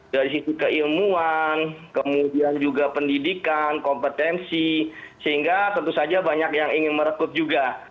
dari sisi keilmuan kemudian juga pendidikan kompetensi sehingga tentu saja banyak yang ingin merekrut juga